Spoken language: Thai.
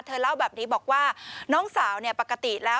เธอเล่าแบบนี้บอกว่าน้องสาวปกติแล้ว